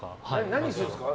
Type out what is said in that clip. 何するんですか？